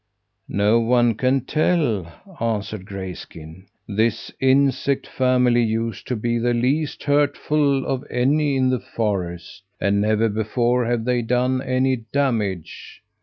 "No one can tell," answered Grayskin. "This insect family used to be the least hurtful of any in the forest, and never before have they done any damage.